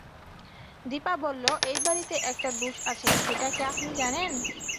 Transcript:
দিপা বলল, এই বাড়িতে একটা দোষ আছে, সেইটা কি আপনি জানেন?